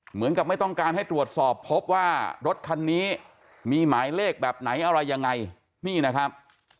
เหมือนกับไม่ต้องการให้ตรวจสอบพบว่ารถคันนี้มีหมายเลขแบบไหนอะไรยังไงนี่นะครับ